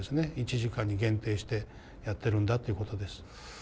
１時間に限定してやってるんだっていうことです。